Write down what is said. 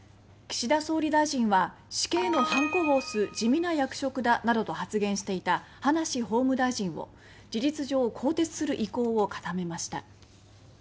岸田総理大臣は「死刑のはんこを押す地味な役職だ」などと発言していた葉梨法務大臣を事実上更迭する意向を固めました。